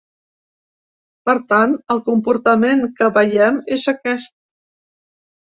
Per tant, el comportament que veiem és aquest.